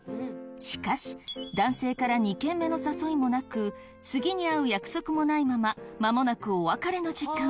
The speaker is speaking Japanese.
しかし男性から２軒目の誘いもなく次に会う約束もないまま間もなくお別れの時間。